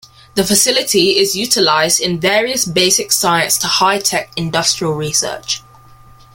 The facility is utilized in various basic science to high-tech industrial research.